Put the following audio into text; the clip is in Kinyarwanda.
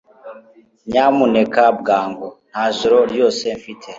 Nyamuneka bwangu. Nta joro ryose mfite.